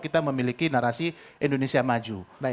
kita memiliki narasi indonesia maju